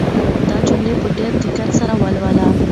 دا جملې په ډېر دقت سره ولولئ.